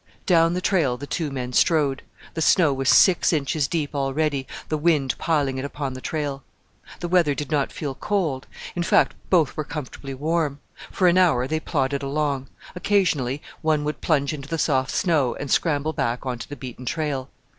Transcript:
Down the trail the two men strode. The snow was six inches deep already, the wind piling it upon the trail. The weather did not feel cold; in fact, both were comfortably warm. For an hour they plodded along. Occasionally one would plunge into the soft snow and scramble back on to the beaten trail.